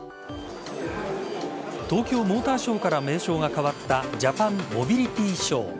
東京モーターショーから名称が変わったジャパンモビリティショー。